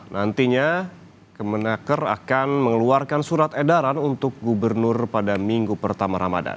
nantinya kemenaker akan mengeluarkan surat edaran untuk gubernur pada minggu pertama ramadan